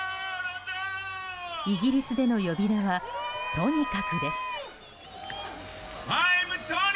イギリスでの呼び名はトニカクです。